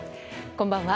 こんばんは。